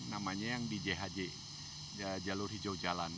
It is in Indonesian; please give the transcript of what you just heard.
namanya yang di jhj jalur hijau jalan